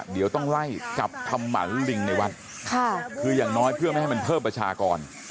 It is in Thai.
เดี๋ยวต้องไล่จับทำหมันลิงในวัดค่ะคืออย่างน้อยเพื่อไม่ให้มันเพิ่มประชากร